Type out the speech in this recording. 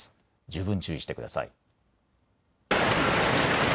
十分注意してください。